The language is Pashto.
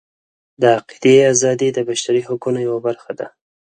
د عقیدې ازادي د بشري حقونو یوه برخه ده.